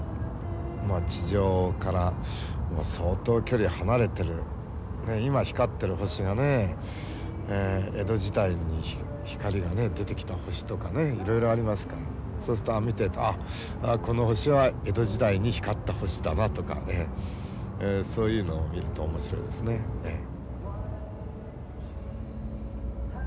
まあ地上から相当距離離れてる今光ってる星がね江戸時代に光が出てきた星とかねいろいろありますからそうすると見てるとあっこの星は江戸時代に光った星だなとかそういうのを見ると面白いですねええ。